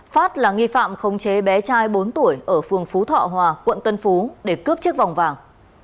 phát là nghi phạm không chế bé trai bốn tuổi ở phường phú thọ hòa quận tân phú để cướp chiếc vòng vàng